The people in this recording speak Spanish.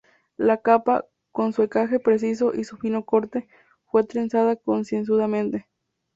La capa, con su encaje preciso y su fino corte, fue trenzada concienzudamente.